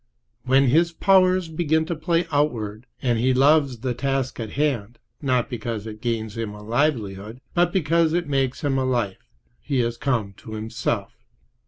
When his powers begin to play outward, and he loves the task at hand, not because it gains him a livelihood, but because it makes him a life, he has come to himself.